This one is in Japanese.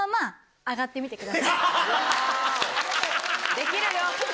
できるよ！